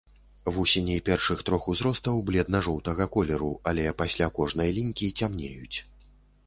Вусені першых трох узростаў бледна-жоўтага колеру, але пасля кожнай лінькі цямнеюць.